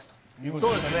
そうですね。